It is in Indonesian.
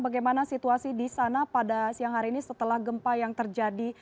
bagaimana situasi di sana pada siang hari ini setelah gempa yang terjadi